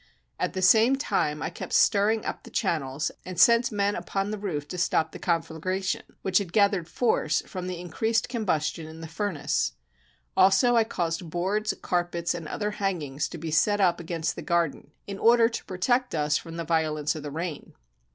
At the same time I kept stirring up the channels, and sent men upon the roof to stop the conflagration, which had gathered force from the increased combustion in the furnace; also I caused boards, carpets, and other hangings to be set up against the garden, in order to protect us from the violence of the rain.